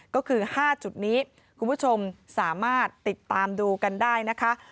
ก็คือ๕จุดนี้คุณผู้ชมสามารถติดตามดูกันได้นะคะ